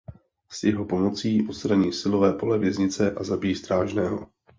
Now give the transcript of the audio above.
S jeho pomocí odstraní silové pole věznice a zabíjí strážného.